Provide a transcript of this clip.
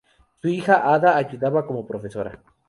Su hija Ada ayudaba como profesora.